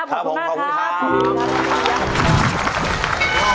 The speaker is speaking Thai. ขอบคุณมากครับขอบคุณครับ